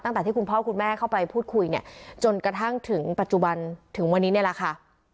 ตั้งแต่ที่คุณพ่อคุณแม่เข้าไปพูดคุยเนี่ยจนกระทั่งถึงปัจจุบันถึงวันนี้เนี่ยแหละค่ะ